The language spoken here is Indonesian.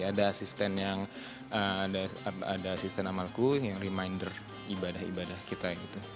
ada asisten amalku yang reminder ibadah ibadah kita